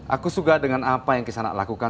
aku suka dengan apa yang kesana lakukan